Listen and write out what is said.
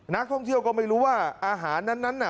นักท่องเที่ยวก็ไม่รู้ว่าอาหารนั้นน่ะ